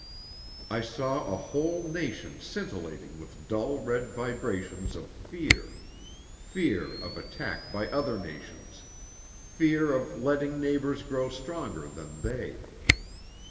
I saw a whole nation scintillating with dull red vibrations of fear: fear of attack by other nations, fear of letting neighbors grow stronger than they.